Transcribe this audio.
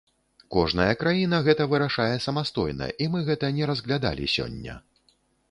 Кожная краіна гэта вырашае самастойна, і мы гэта не разглядалі сёння.